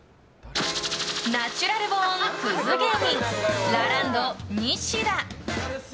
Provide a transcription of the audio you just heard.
ナチュラルボーン、クズ芸人ラランド、ニシダ。